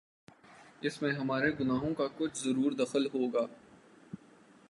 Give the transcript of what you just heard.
اس میں ہمارے گناہوں کا کچھ ضرور دخل ہو گا۔